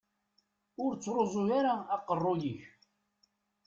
Ur ttruẓu ara aqerruy-ik.